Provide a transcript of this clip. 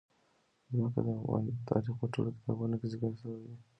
ځمکه د افغان تاریخ په ټولو کتابونو کې ذکر شوی دي.